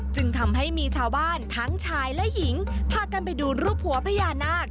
จึงทำให้มีชาวบ้านทั้งชายและหญิงพากันไปดูรูปหัวพญานาค